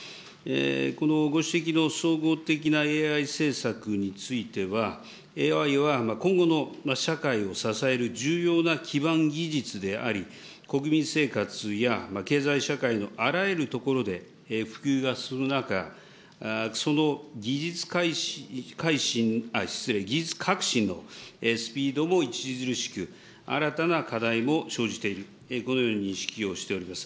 このご指摘の総合的なＡＩ政策については、ＡＩは今後の社会を支える重要な基盤技術であり、国民生活や経済社会のあらゆるところで普及が進む中、その技術かいしん、失礼、技術革新のスピードも著しく、新たな課題も生じている、このように認識をしております。